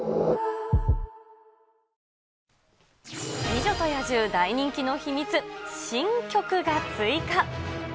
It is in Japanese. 美女と野獣大人気の秘密、新曲が追加。